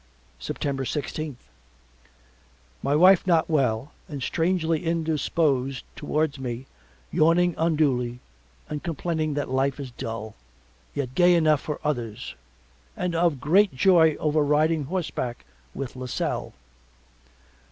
September sixteenth My wife not well and strangely indisposed towards me yawning unduly and complaining that life is dull, yet gay enough for others and of a great joy over riding horseback with Lasselle.